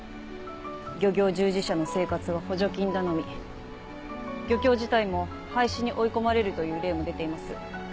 漁業従事者の生活は補助金頼み漁協自体も廃止に追い込まれるという例も出ています。